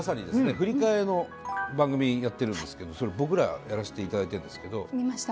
振り返りの番組やってるんですけどそれ僕らやらしていただいてるんですけど。見ました。